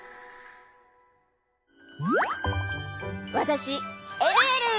わたしえるえる！